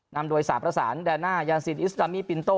นำโดยสาประสานแดน่ายาซินอิสตามี่ปินโต้